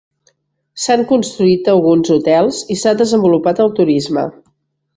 S'han construït alguns hotels i s'ha desenvolupat el turisme.